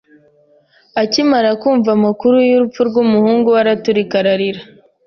Akimara kumva amakuru y'urupfu rw'umuhungu we, araturika ararira.